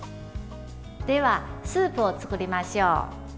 では、スープを作りましょう。